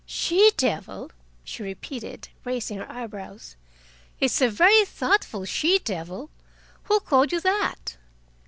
"'She devil'!" she repeated, raising her eyebrows. "It's a very thoughtful she devil. Who called you that?"